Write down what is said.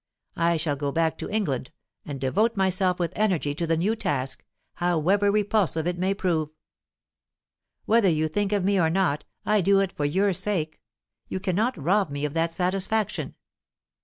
I shall go back to England, and devote myself with energy to the new task, however repulsive it may prove. Whether you think of me or not, I do it for your sake; you cannot rob me of that satisfaction.